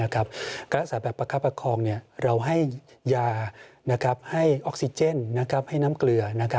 การรักษาแบบประคับประคองเราให้ยาให้ออกซิเจนให้น้ำเกลือ